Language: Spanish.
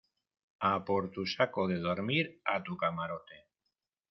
a por tu saco de dormir a tu camarote.